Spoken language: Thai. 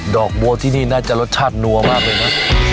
อกบัวที่นี่น่าจะรสชาตินัวมากเลยนะ